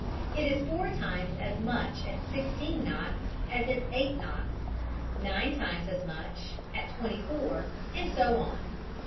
it is four times as much at sixteen knots as at eight knots, nine times as much at twenty four, and so on.